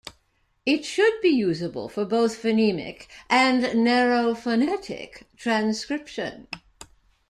It should be usable for both phonemic and narrow phonetic transcription.